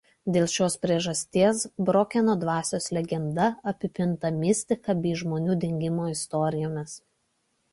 Dėl šios priežasties Brokeno dvasios legenda apipinta mistika bei žmonių dingimo istorijomis.